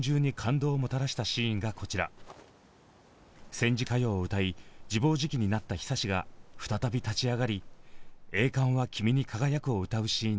戦時歌謡を歌い自暴自棄になった久志が再び立ち上がり「栄冠は君に輝く」を歌うシーンです。